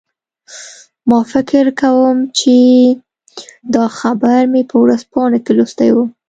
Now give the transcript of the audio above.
ما فکر کوم چې دا خبر مې په ورځپاڼو کې لوستی و